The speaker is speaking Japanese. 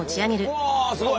うわすごい！